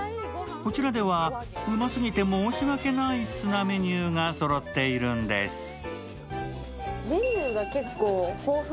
こちらではうますぎて申し訳ないっスなメニューがそろっているんです。